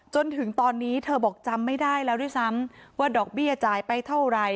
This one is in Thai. จนถึงตอนนี้เธอบอกจำไม่ได้แล้วด้วยซ้ำว่าดอกเบี้ยจ่ายไปเท่าไหร่